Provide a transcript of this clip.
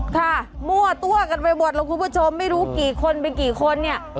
ค่ะมั่วตัวกันไปหมดแล้วคุณผู้ชมไม่รู้กี่คนไปกี่คนเนี่ย